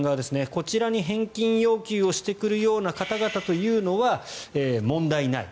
こちらに返金要求をしてくる方々というのは問題ない。